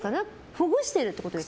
ほぐしてるってことですか？